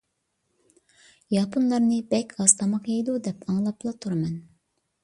ياپونلارنى بەك ئاز تاماق يەيدۇ دەپ ئاڭلاپلا تۇرىمەن.